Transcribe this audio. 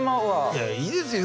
いやいいですよ。